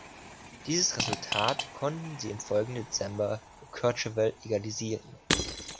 Dieses Resultat konnte sie im folgenden Dezember in Courchevel egalisieren.